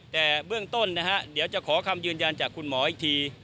แต่เบื้องต้นนะฮะเดี๋ยวจะขอคำยืนยันจากคุณหมออีกที